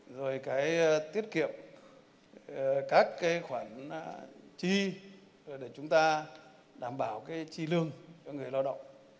rồi tiết kiệm các khoản chi để chúng ta đảm bảo chi lương cho người lao động